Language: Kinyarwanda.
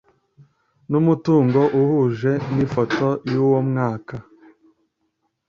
n umutungo uhuje n ifoto y uwo mwaka